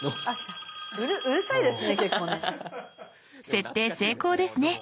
設定成功ですね。